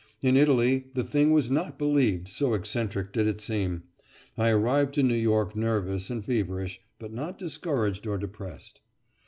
In Italy the thing was not believed, so eccentric did it seem. I arrived in New York nervous and feverish, but not discouraged or depressed.